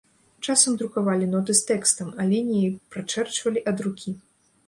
Часам друкавалі ноты з тэкстам, а лініі прачэрчвалі ад рукі.